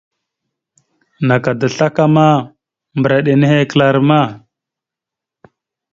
Naka da slakama, mbəra iɗe nehe kəla rama.